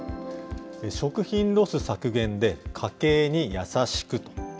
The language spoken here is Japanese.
食品ロス削減で家計に優しくと。